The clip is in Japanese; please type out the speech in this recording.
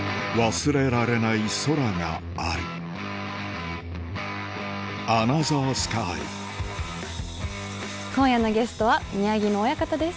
忘れられない空がある今夜のゲストは宮城野親方です。